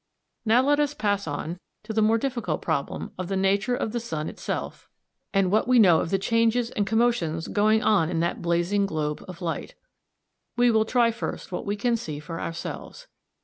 Now let us pass on to the more difficult problem of the nature of the sun itself, and what we know of the changes and commotions going on in that blazing globe of light. Fairyland of Science, Chapter II. We will try first what we can see for ourselves.